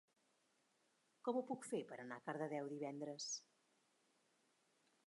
Com ho puc fer per anar a Cardedeu divendres?